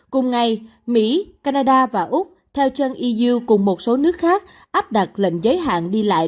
cùng ngày mỹ canada và úc theo trân yu cùng một số nước khác áp đặt lệnh giới hạn đi lại